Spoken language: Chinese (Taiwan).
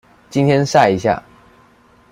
今天曬一下